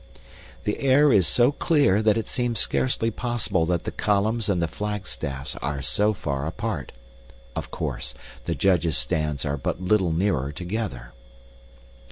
The air is so clear that is seems scarcely possible that the columns and the flagstaffs are so far apart. Of course, the judges' stands are but little nearer together.